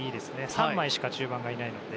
３枚しか中盤がいないので。